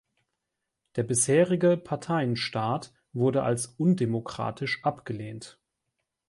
Der bisherige „Parteienstaat“ wurde als „undemokratisch“ abgelehnt.